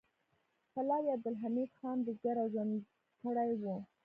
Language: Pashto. پلار یې عبدالحمید خان بزګر او ژرندګړی و